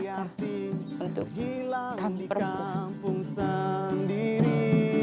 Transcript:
di mana lagi mencari arti hilang di kampung sendiri